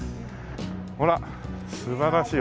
ほら素晴らしい。